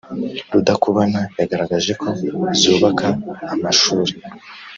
Rudakubana yagaragaje ko zubaka amashuli